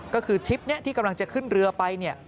ก็คือทริปนี้ที่กำลังจะขึ้นเรือไป